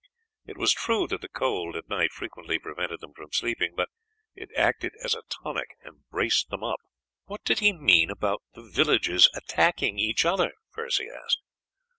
It was true that the cold at night frequently prevented them from sleeping, but it acted as a tonic and braced them up. "What did he mean about the villages attacking each other?" Percy asked.